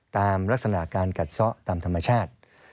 ตามลักษณะการกัดซ้อตามธรรมชาติ